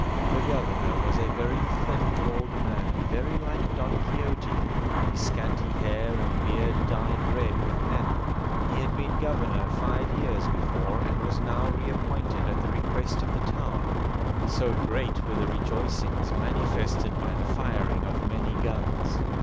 The governor was a very thin old man very like Don Quixote, his scanty hair and beard dyed red with henna. He had been governor five years before, and was now reappointed at the request of the town, so great were the rejoicings, manifested by the firing of many guns.